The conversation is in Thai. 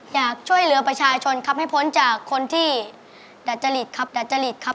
อยากช่วยเหลือประชาชนครับให้พ้นจากคนที่ดัดจริตครับดัจจริตครับ